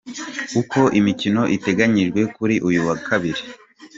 Uko imikino iteganyijwe kuri uyu wa Kabiri :.